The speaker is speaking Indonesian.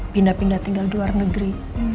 pindah pindah tinggal di luar negeri